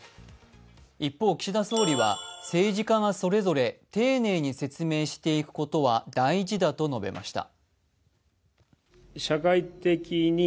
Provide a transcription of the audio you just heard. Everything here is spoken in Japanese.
一方、岸田総理は政治家がそれぞれ丁寧に説明していくことは大事だと述べました。